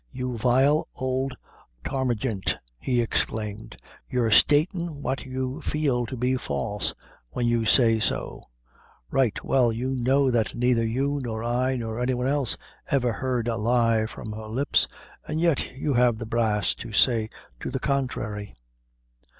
"You vile ould tarmagint," he exclaimed, "you're statin' what you feel to be false when you say so; right well you know that neither you nor I, nor any one else, ever heard a lie from her lips, an' yet you have the brass to say to the contrary."